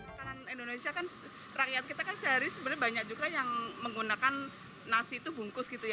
makanan indonesia kan rakyat kita kan sehari sebenarnya banyak juga yang menggunakan nasi itu bungkus gitu ya